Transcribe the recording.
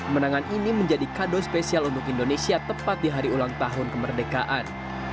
menangan ini menjadi kado spesial untuk indonesia tepat di hari ulang tahun kemerdekaan